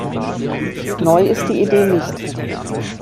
Neu ist die Idee nicht.